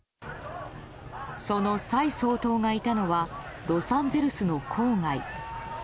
その蔡総統がいたのはロサンゼルスの郊外。